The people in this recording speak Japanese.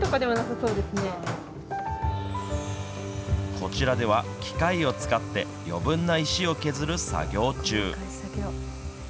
こちらでは機械を使って、余分な石を削る作業中。